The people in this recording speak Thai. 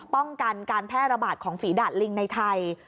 ป้องกันการแพร่ระบาดของฝีดาดลิงในไทย